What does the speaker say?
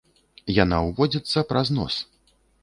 Яна ўводзіцца праз нос.